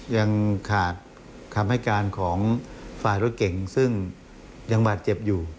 ยังขาดคำให้การของฝ่ายรถเก่งซึ่งยังบาดเจ็บอยู่